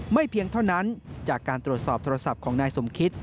เพียงเท่านั้นจากการตรวจสอบโทรศัพท์ของนายสมคิต